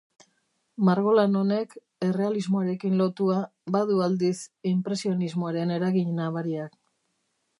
Margolan honek, errealismoarekin lotua, badu aldiz, inpresionismoaren eragin nabariak.